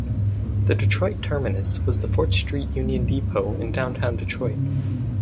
The Detroit terminus was the Fort Street Union Depot in downtown Detroit.